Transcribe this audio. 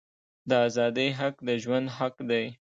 د آزادی حق د ژوند حق دی.